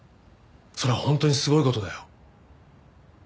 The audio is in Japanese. それは本当にすごい事だよ。